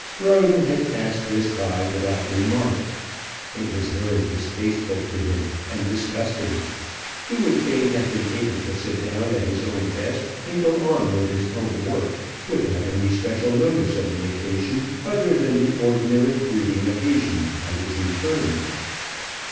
Roden had passed this by without remark. It was very distasteful to him, and disgusting. He would fain have been able to sit down at his own desk, and go on with his own work, without any special notice of the occasion, other than the ordinary greeting occasioned by his return.